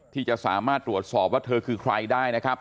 ที่จะสามารถตรวจสอบว่าเธอคือใครได้นะครับ